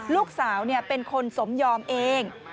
ลูกสาวเป็นคนสมยอมเอง